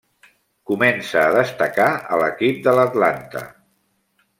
Comença a destacar a l'equip de l'Atlanta.